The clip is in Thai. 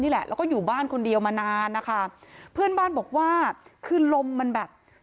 แล้วเป็นแบบนี้มาหลายปีนะคะ